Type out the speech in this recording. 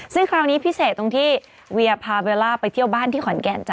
ซึ่งคราวนี้พิเศษตรงที่เวียพาเบลล่าไปเที่ยวบ้านที่ขอนแก่นจ้